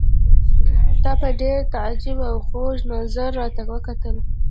تا په ډېر تعجب او خوږ نظر راته وکتل.